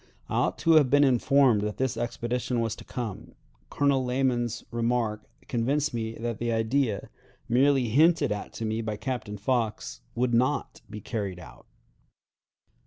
I ought to have been informed that this expedition was to come. Colonel Lamon's remark convinced me that the idea, merely hinted at to me by Captain Fox, would not be carried out.